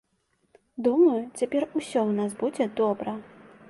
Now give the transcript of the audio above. Думаю, цяпер усё ў нас будзе добра.